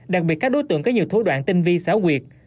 đặc biệt các đối tượng có nhiều thủ đoạn tinh vi xáo quyệt